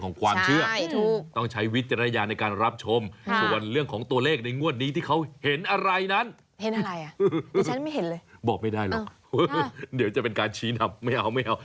บอกไม่ได้หรอกเดี๋ยวจะเป็นการชี้หนับไม่เอา